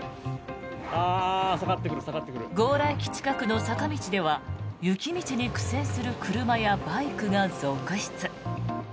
強羅駅近くの坂道では雪道に苦戦する車やバイクが続出。